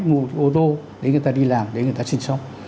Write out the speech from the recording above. mua ô tô để người ta đi làm để người ta sinh sống